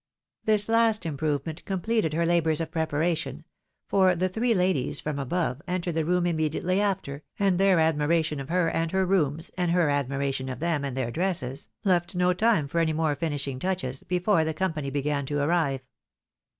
This last improvement completed her labours of preparation, for the three ladies from above entered the room immediately after ; and their admiration of her and her rooms, and her admiration of them and their dresses, left no time for any more finishing touches, before the company began to arrive.